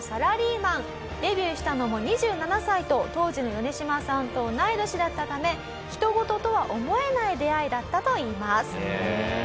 デビューしたのも２７歳と当時のヨネシマさんと同い年だったため人ごととは思えない出会いだったといいます。